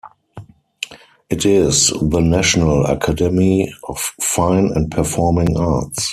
It is the national academy of fine and performing arts.